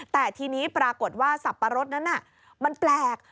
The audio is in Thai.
แต่ทีนี้ปรากฏว่าสับปะรดนั้นมันแปลก